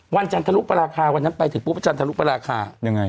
จันทรุปราคาวันนั้นไปถึงปุ๊บจันทรุปราคายังไง